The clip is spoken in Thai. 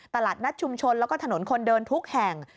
ตลาดนัดชุมชนแล้วก็ถนนคนเดินทุกแห่ง